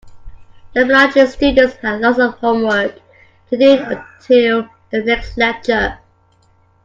The biology students had lots of homework to do until the next lecture.